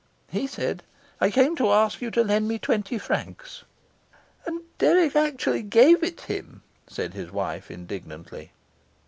He said: 'I came to ask you to lend me twenty francs.'" "And Dirk actually gave it him," said his wife indignantly.